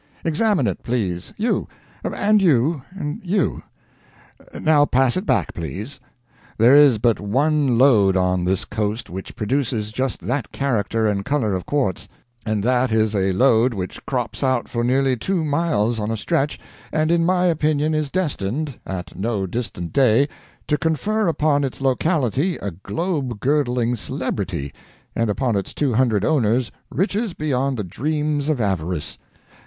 Examine it, please you and you and you. Now pass it back, please. There is but one lode on this coast which produces just that character and color of quartz; and that is a lode which crops out for nearly two miles on a stretch, and in my opinion is destined, at no distant day, to confer upon its locality a globe girdling celebrity, and upon its two hundred owners riches beyond the dreams of avarice.